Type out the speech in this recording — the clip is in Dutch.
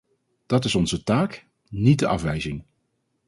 Dat is onze taak, niet de afwijzing!